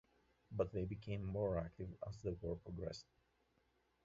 But they became more active as the war progressed.